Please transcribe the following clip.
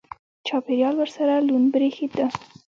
چاپېریال ورسره لوند برېښېده.